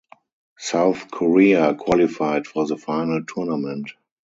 South Korea qualified for the final tournament.